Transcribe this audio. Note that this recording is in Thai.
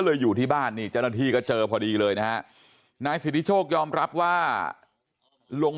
เลยอยู่ที่บ้านนี่เจอพอดีเลยนะนายสิทธิโชคยอมรับว่าลง